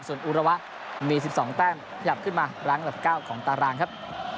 ส่วนอุระวะมี๑๒แต้มขยับขึ้นมารั้งอันดับ๙ของตารางครับ